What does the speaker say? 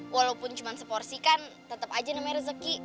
walaupun cuma seporsi kan tetap aja namanya rezeki